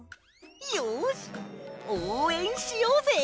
よしおうえんしようぜ！